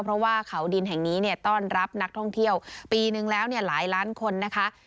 เพราะว่าเขาดินแห่งนี้เนี่ยต้อนรับนักท่องเที่ยวปีนึงแล้วเนี่ยหลายล้านคนนะคะ